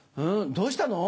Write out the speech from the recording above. どうしたの？